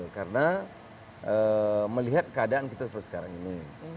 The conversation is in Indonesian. karena melihat keadaan kita seperti sekarang ini